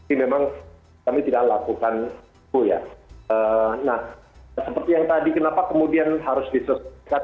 ini memang kami tidak lakukan itu ya nah seperti yang tadi kenapa kemudian harus diselesaikan